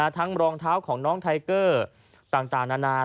รองเท้าของน้องไทเกอร์ต่างนานา